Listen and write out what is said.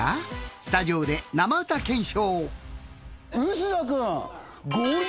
スタジオで生歌検証。